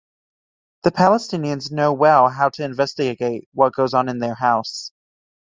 The Palestinians know well how to investigate what goes on in their house.